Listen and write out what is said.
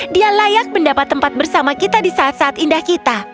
dia layak mendapat tempat bersama kita di saat saat indah kita